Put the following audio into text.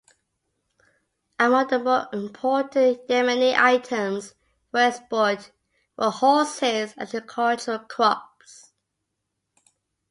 Among the more important Yemeni items for export were horses and agricultural crops.